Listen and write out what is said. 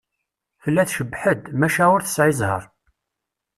Tella tcebbeḥ-d, maca ur tesεi ẓẓher.